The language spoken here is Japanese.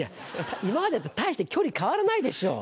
今までと大して距離変わらないでしょ。